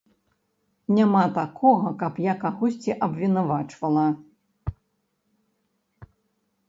Няма такога, каб я кагосьці абвінавачвала.